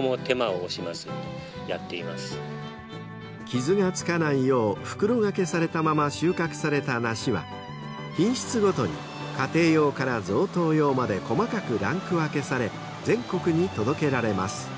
［傷がつかないよう袋がけされたまま収穫された梨は品質ごとに家庭用から贈答用まで細かくランク分けされ全国に届けられます］